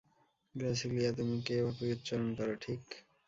গ্রাছিলিয়া তুমি কি এভাবেই উচ্চারণ কর, ঠিক?